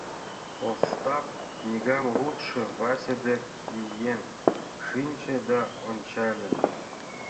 Остап книгам лудшо Вася дек миен шинче да ончале.